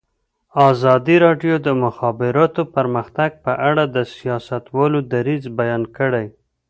ازادي راډیو د د مخابراتو پرمختګ په اړه د سیاستوالو دریځ بیان کړی.